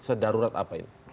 sedarurat apa ini